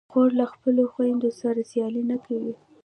خور له خپلو خویندو سره سیالي نه کوي.